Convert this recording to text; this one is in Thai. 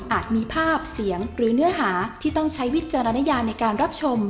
มีภาพเสียงหรือเนื้อหาที่ต้องใช้วิจารณญาในการรับชม